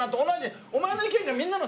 お前の意見がみんなの。